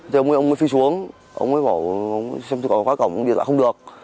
thì ông ấy ông ấy phi xuống ông ấy bảo xem có khóa cổng không điện thoại không được